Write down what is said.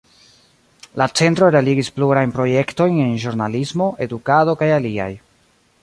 La Centro realigis plurajn projektojn en ĵurnalismo, edukado kaj aliaj.